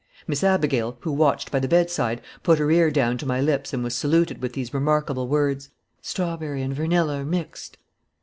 Miss Abigail, who watched by the bedside, put her ear down to my lips and was saluted with these remarkable words: "Strawberry and verneller mixed!"